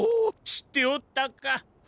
しっておったか！